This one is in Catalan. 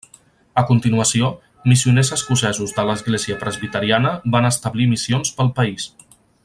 A continuació, missioners escocesos de l'Església presbiteriana van establir missions pel país.